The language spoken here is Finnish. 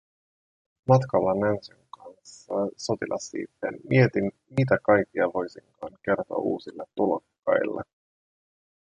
Matkalla Nancyn kanssa sotilassiipeen mietin, mitä kaikkea voisinkaan kertoa uusille tulokkaille.